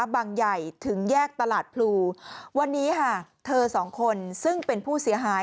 ใหญ่ถึงแยกตลาดพลูวันนี้ค่ะเธอสองคนซึ่งเป็นผู้เสียหาย